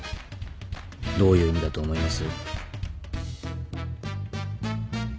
どういう意味だと思います？